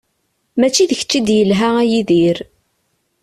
Mačči d kečč i d-yelha a Yidir.